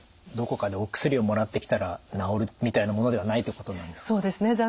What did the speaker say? どこかでお薬をもらってきたら治るみたいものではないってことなんですか？